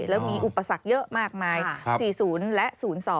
แล้วมีอุปสรรคเยอะมากมาย๔๐และ๐๒